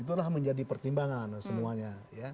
itulah menjadi pertimbangan semuanya